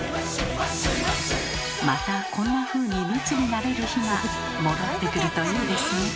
またこんなふうに密になれる日が戻ってくるといいですね。